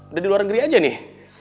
udah di luar negeri aja nih